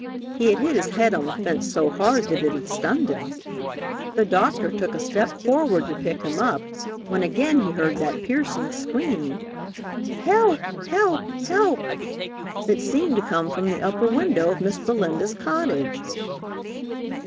He had hit his head on the fence so hard that it had stunned him. The doctor took a step forward to pick him up when again he heard that piercing scream, "Help! Help! Help!" that seemed to come from the upper window of Miss Belinda's cottage.